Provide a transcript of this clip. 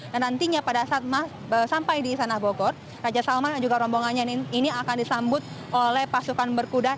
dan nantinya pada saat sampai di istana bogor raja saman dan juga rombongannya ini akan disambut oleh pasukan berkuda